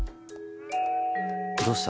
「どうした？」。